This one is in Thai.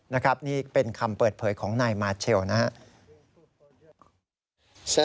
นะครับนี่เป็นคำเปิดเผยของนายมาเชลนะครับ